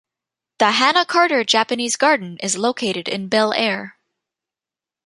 The Hannah Carter Japanese Garden is located in Bel Air.